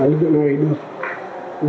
lực lượng này được ủy ban dân phường